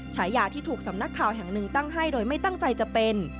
ฉายาที่ถูกสำนักข่าวแห่งหนึ่งตั้งให้โดยไม่ตั้งใจจะเป็น